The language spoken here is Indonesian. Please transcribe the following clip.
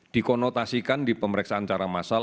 dikonotasikan di pemeriksaan secara massal